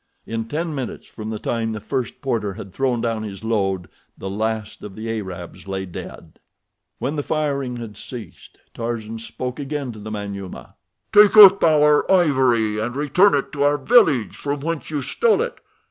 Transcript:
In ten minutes from the time the first porter had thrown down his load the last of the Arabs lay dead. When the firing had ceased Tarzan spoke again to the Manyuema: "Take up our ivory, and return it to our village, from whence you stole it.